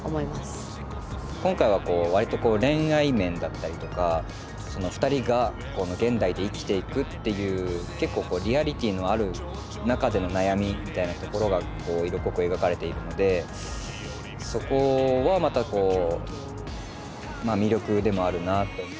今回はこう割と恋愛面だったりとかふたりが現代で生きていくっていう結構リアリティーのある中での悩みみたいなところが色濃く描かれているのでそこはまた魅力でもあるなあと。